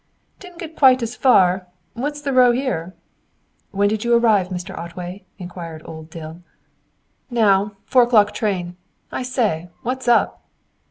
"Didn't get quite as far. What's the row here?" "When did you arrive, Mr. Otway?" inquired old Dill. "Now. Four o'clock train. I say, what's up?"